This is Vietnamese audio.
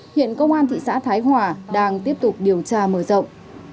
hiện công an thị xã thái hòa đang tiếp tục điều tra mở rộng